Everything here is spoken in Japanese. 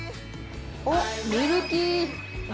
おっ、ミルキー。